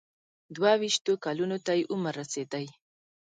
دوه ویشتو کلونو ته یې عمر رسېدی.